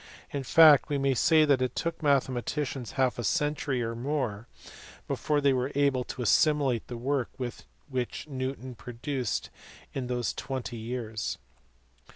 In fact we may say that it took mathematicians half a century or more before they were able to assimilate the work which Newton had produced in those twenty years.